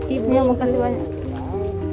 iya makasih banyak